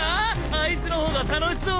あいつの方が楽しそうだな！